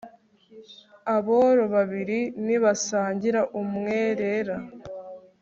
aboro babiri ntibasangira umwerera